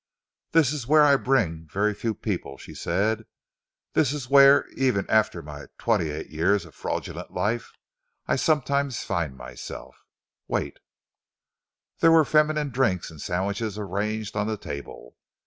"This is where I bring very few people," she said. "This is where, even after my twenty eight years of fraudulent life, I am sometimes myself. Wait." There were feminine drinks and sandwiches arranged on the table.